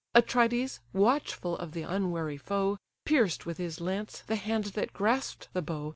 Atrides, watchful of the unwary foe, Pierced with his lance the hand that grasp'd the bow.